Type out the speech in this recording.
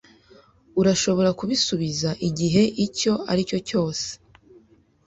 urashobora kubisubiza igihe icyo ari cyo cyose."